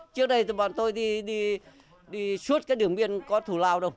trước đây thì bọn tôi đi suốt cái đường biên có thù lao đâu